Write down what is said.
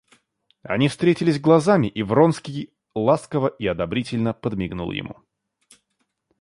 Они встретились глазами, и Вронский ласково и одобрительно подмигнул ему.